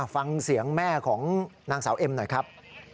ฟังเสียงแม่ของนางสาวเอ็มหน่อยครับ